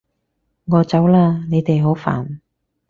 我走喇！你哋好煩